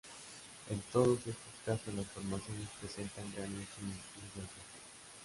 En todos estos casos las formaciones presentan grandes similitudes entre sí.